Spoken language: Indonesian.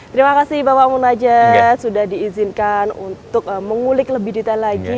terima kasih bapak munajat sudah diizinkan untuk mengulik lebih detail lagi